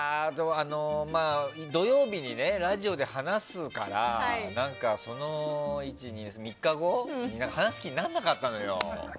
土曜日にラジオで話すから何か、その３日後話す気にならなかったのよ。